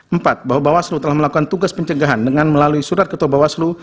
empat bahwa bawaslu telah melakukan tugas pencegahan dengan melalui surat ketua bawaslu